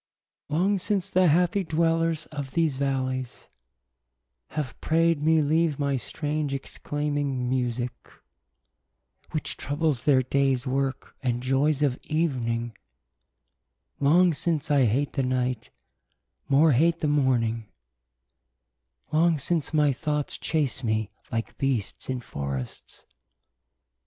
Long since the happie dwellers of these vallies, Have praide me leave my strange exclaiming musique , Which troubles their dayes worke, and joyes of evening : Long since I hate the night , more hate the morning : Long since my thoughts chase me like beasts in for rests.